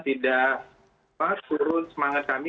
tidak turun semangat kami